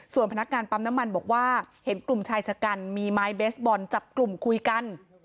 ส่วนพนักงานปั๊มน้ำมันบอกว่าเห็นกลุ่มชายชะกันมีไม้เบสบอลจับกลุ่มคุยกัน